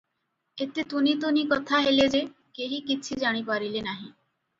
ଏତେ ତୁନି ତୁନି କଥା ହେଲେ ଯେ, କେହି କିଛି ଜାଣି ପାରିଲେ ନାହିଁ ।